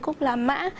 cốc lá mã